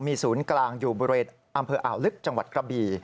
มีศูนย์กลางอยู่บริเวณอำเภออ่าวลึกจังหวัดกระบี่